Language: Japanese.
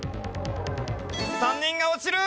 ３人が落ちる！